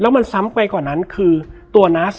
แล้วสักครั้งหนึ่งเขารู้สึกอึดอัดที่หน้าอก